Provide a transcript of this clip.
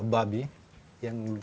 babi yang cukup besar